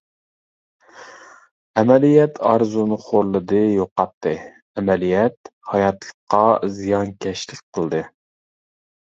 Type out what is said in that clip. ئەمەلىيەت ئارزۇنى خورلىدى، يوقاتتى، ئەمەلىيەت ھاياتلىققا زىيانكەشلىك قىلدى.